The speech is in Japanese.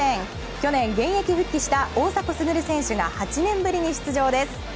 去年、現役復帰した大迫傑選手が８年ぶりに出場です。